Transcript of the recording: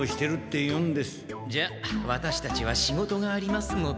じゃあワタシたちは仕事がありますので。